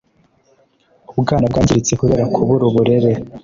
ubwana bwangiritse kubera kubura uburere